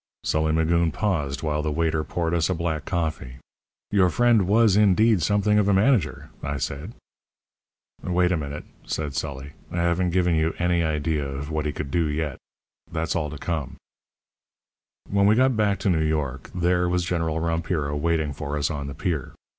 Sully Magoon paused while the waiter poured us a black coffee. "Your friend was, indeed, something of a manager," I said. "Wait a minute," said Sully, "I haven't given you any idea of what he could do yet. That's all to come. "When we got back to New York there was General Rompiro waiting for us on the pier.